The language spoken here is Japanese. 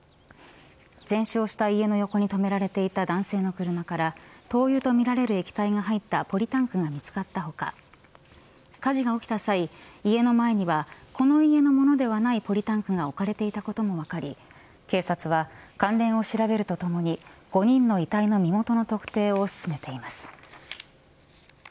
全焼した家の横に止められていた男性の車から灯油とみられる液体が入ったポリタンクが見つかった他火事が起きた際、家の前にはこの家のものではないポリタンクが置かれていたことも分かり警察は関連を調べるとともに５人の遺体の身元の特定を進めています。